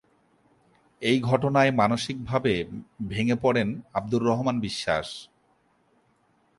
এই ঘটনায় মানসিকভাবে ভেঙ্গে পড়েন আব্দুর রহমান বিশ্বাস।